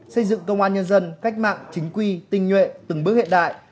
xây dựng công an nhân dân cách mạng chính quy tinh nhuệ từng bước hiện đại